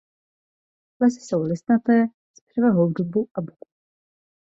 Lesy jsou listnaté s převahou dubu a buku.